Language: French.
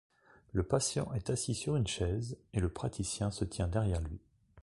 Le patient est assis sur une chaise et le praticien se tient derrière lui.